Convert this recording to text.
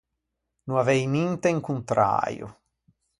No avei ninte in conträio.